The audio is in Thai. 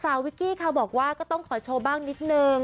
วิกกี้ค่ะบอกว่าก็ต้องขอโชว์บ้างนิดนึง